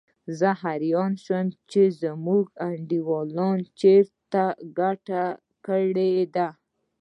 زه حیران شوم چې زموږ انډیوالانو چېرته ګټه کړې ده.